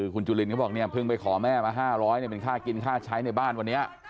คุณจุลินเขาบอกเนี่ยเพิ่งไปขอแม่มา๕๐๐เป็นค่ากินค่าใช้ในบ้านวันนี้